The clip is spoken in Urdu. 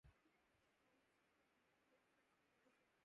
میرے لئے تو ساقی وہی جام بھر کے لانا